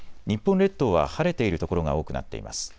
日本列島は晴れている所が多くなっています。